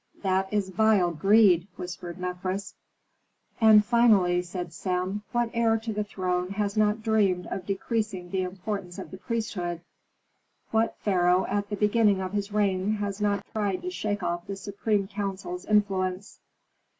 "That is vile greed," whispered Mefres. "And, finally," said Sem, "what heir to the throne has not dreamed of decreasing the importance of the priesthood? What pharaoh at the beginning of his reign has not tried to shake off the supreme council's influence?"